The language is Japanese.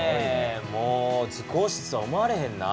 もう図工室とは思われへんな。